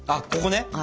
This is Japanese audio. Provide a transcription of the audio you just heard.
ここね。